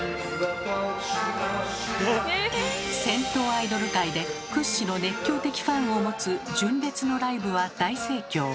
銭湯アイドル界で屈指の熱狂的ファンを持つ純烈のライブは大盛況！